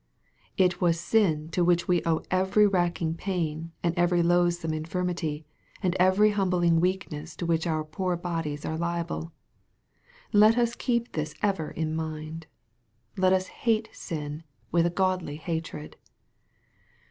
It was sin to which we owe every racking pain, and every loathsome infirmity, and every humbling weakness to which our poor bodies are liable. Let us keep this ever in mind. Let us hate sin with a godly hatred.